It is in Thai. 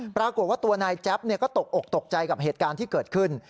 ปรากฏว่าตัวนายแจ๊บก็ตกอกตกใจกับเหตุการณ์ที่เกิดขึ้น